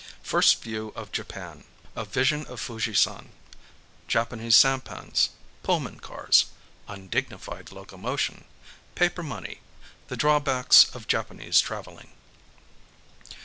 First View of Japan—A Vision of Fujisan—Japanese Sampans—"Pullman Cars"—Undignified Locomotion—Paper Money—The Drawbacks of Japanese Travelling.